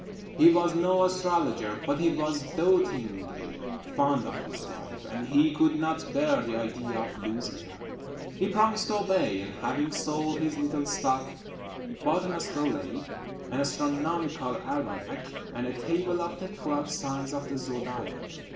He was no astrologer, but he was dotingly fond of his wife, and he could not bear the idea of losing her. He promised to obey, and, having sold his little stock, bought an astrolabe, an astronomical almanac, and a table of the twelve signs of the zodiac.